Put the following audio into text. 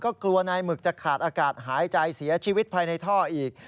ก็กลัวนายหมึกจะขาดอากาศหายใจเสียชีวิตภายในท่ออีก